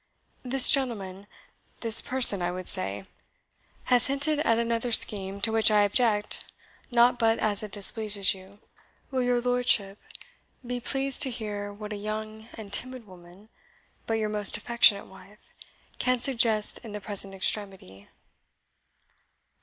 This gentleman this person I would say has hinted at another scheme, to which I object not but as it displeases you. Will your lordship be pleased to hear what a young and timid woman, but your most affectionate wife, can suggest in the present extremity?"